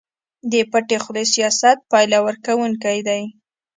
د پټې خولې سياست پايله ورکوونکی دی.